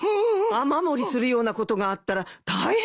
雨漏りするようなことがあったら大変ですから。